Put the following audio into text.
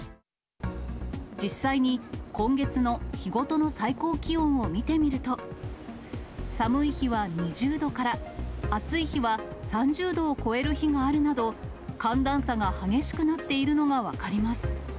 実際に今月の日ごとの最高気温を見てみると、寒い日は２０度から暑い日は３０度を超える日があるなど、寒暖差が激しくなっているのが分かります。